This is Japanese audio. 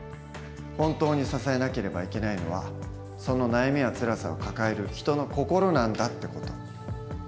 本当に支えなければいけないのはその悩みやつらさを抱える人の心なんだ」って事。